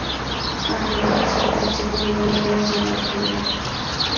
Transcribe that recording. কাণ্ড দেখে চাটুজ্যে-পরিবারের গায়ে জ্বালা ধরল।